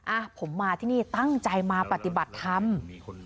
อ่ะผมมาที่นี่ตั้งใจมาปฏิบัติธรรม